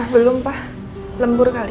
belum pak lembur kali